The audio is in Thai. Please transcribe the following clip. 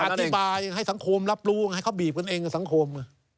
อธิบายให้สังคมรับรู้ให้เขาบีบกันเองกับสังคม